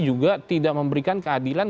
juga tidak memberikan keadilan